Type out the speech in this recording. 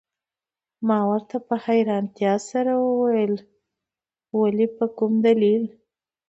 ما ورته په حیرانتیا سره وویل: ولي، په کوم دلیل؟